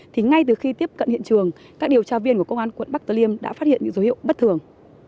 thì ngay từ khi tiếp cận hiện trường các điều tra viên của công an quận bắc tử liêm đã phát hiện những dấu hiệu bất thường